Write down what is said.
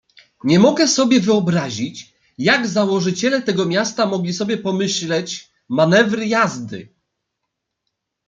"Nie mogę sobie wyobrazić, jak założyciele tego miasta mogli sobie pomyśleć manewry jazdy!"